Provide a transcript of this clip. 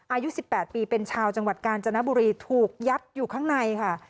อายุ๑๘ปีเป็นชาวจังหวัดกาญจนบุรีถูกยัดอยู่ข้างในค่ะ